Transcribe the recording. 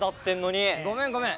ごめんごめん！